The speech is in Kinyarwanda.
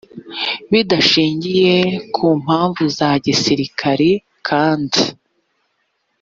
bidashingiye ku mpamvu za gisirikari kandi